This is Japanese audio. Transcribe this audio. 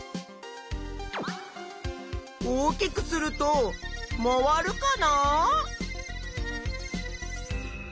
大きくすると回るかなあ？